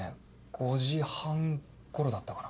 ５時半頃だったかな。